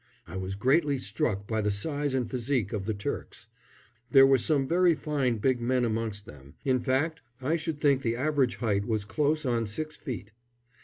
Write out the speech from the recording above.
I was greatly struck by the size and physique of the Turks. There were some very fine big men amongst them in fact, I should think the average height was close on six feet.